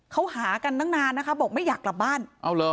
เขาหากันตั้งนานนะคะบอกไม่อยากกลับบ้านเอาเหรอ